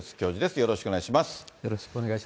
よろしくお願いします。